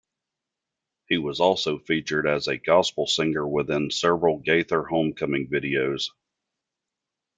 He was also featured as a gospel singer within several Gaither Homecoming videos.